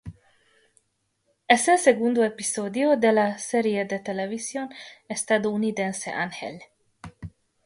Es el segundo episodio de la de la serie de televisión estadounidense Ángel.